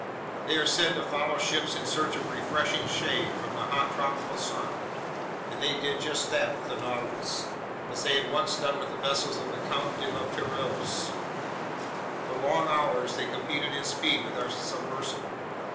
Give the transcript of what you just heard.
They are said to follow ships in search of refreshing shade from the hot tropical sun, and they did just that with the Nautilus, as they had once done with the vessels of the Count de La Pérouse. For long hours they competed in speed with our submersible.